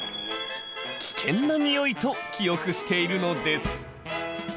危険なにおいと記憶しているのです。